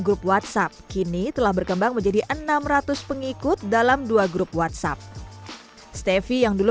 grup whatsapp kini telah berkembang menjadi enam ratus pengikut dalam dua grup whatsapp stefy yang dulu